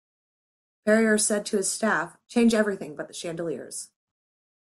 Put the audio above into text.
Perrier said to his staff, Change everything but the chandeliers.